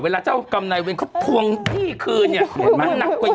เวลาเจ้ากรรมในเวรเขาทวงพี่คือเนี่ยเห็นมั้ยหนักกว่าเยอะ